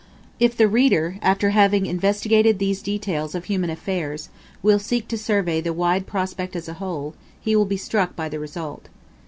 If the reader, after having investigated these details of human affairs, will seek to survey the wide prospect as a whole, he will be struck by the result.